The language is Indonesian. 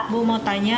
bu mau tanya